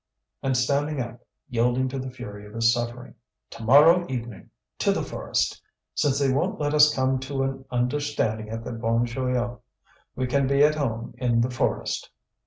And standing up, yielding to the fury of his suffering: "To morrow evening, to the forest! Since they won't let us come to an understanding at the Bon Joyeux, we can be at home in the forest!"